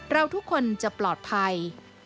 เราทุกคนจะปลอดภัย